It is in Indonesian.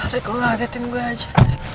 rik lu gak ngerti gue aja